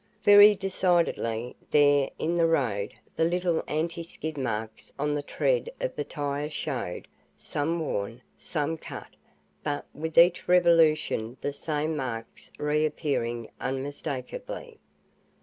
Very decidedly, there in the road, the little anti skid marks on the tread of the tire showed some worn, some cut but with each revolution the same marks reappearing unmistakably.